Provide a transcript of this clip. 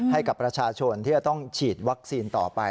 ให้กับประชาชนที่จะต้องฉีดวัคซีนต่อไป